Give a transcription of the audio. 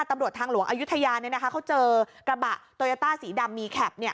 ตำรวจทางหลวงอายุทยาเนี้ยนะคะเขาเจอกระบะสีดำมีแคปเนี้ย